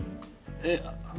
ええ。